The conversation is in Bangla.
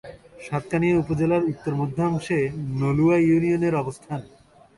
সাতকানিয়া উপজেলার উত্তর-মধ্যাংশে নলুয়া ইউনিয়নের অবস্থান।